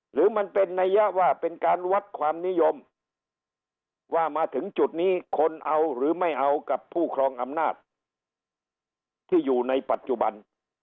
หรือมันเป็นนัยยะว่าเป็นการวัดความนิยมว่ามาถึงจุดนี้คนเอาหรือไม่เอากับผู้ครองอำนาจที่อยู่ในปัจจุบัน